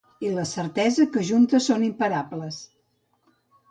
I la certesa que juntes som imparables.